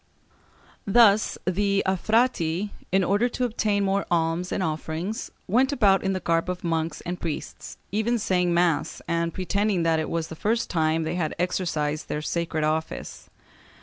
Thus the affrati, in order to obtain more alms and offerings, went about in the garb of monks and priests, even saying mass, and pretending that it was the first time they had exercised their sacred office.